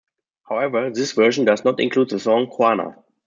However, this version does not include the song "Juana".